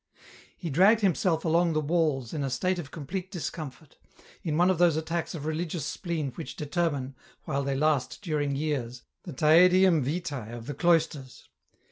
He dragged himself along the walks in a state of complete discomfort, in one of those attacks of religious spleen which determine, while they last during years, the " taedium vitae " of the cloisters.